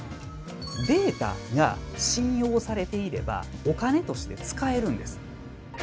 データが信用されていればお金として使えるんです。